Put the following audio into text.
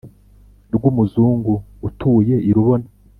Rw'Umuzungu utuye i Rubona